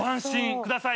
ください